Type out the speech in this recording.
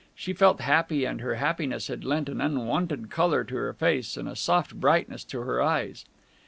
She felt happy, and her happiness had lent an unwonted colour to her face and a soft brightness to her eyes.